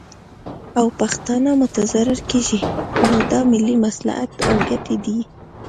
او پښتانه متضرر کیږي، نو دا ملي مصلحت او ګټې دي